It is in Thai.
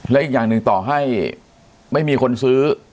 และอีกอย่างหนึ่งต่อให้ไม่มีคนซื้อ